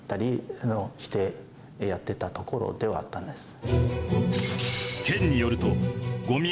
やってたところではあったんです。